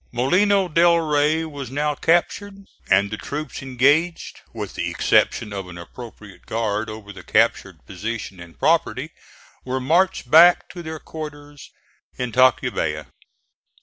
Molino del Rey was now captured, and the troops engaged, with the exception of an appropriate guard over the captured position and property, were marched back to their quarters in Tacubaya.